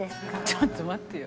ちょっと待ってよ。